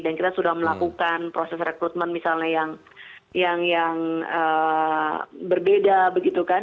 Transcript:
dan kita sudah melakukan proses rekrutmen misalnya yang berbeda begitu kan